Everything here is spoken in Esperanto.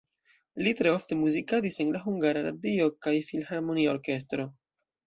Li tre ofte muzikadis en la Hungara Radio kaj filharmonia orkestro.